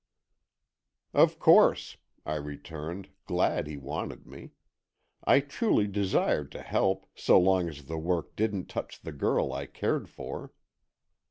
"Of course," I returned, glad he wanted me. I truly desired to help, so long as the work didn't touch on the girl I cared for.